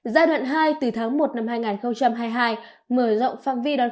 giai đoạn hai từ tháng một năm hai nghìn hai mươi hai mở rộng phạm vi đón khách quốc tế